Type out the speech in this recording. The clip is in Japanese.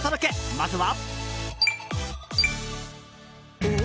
まずは。